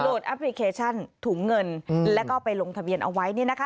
แอปพลิเคชันถุงเงินแล้วก็ไปลงทะเบียนเอาไว้เนี่ยนะคะ